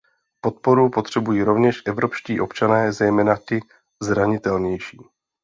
Podporu potřebují rovněž evropští občané, zejména ti zranitelnější.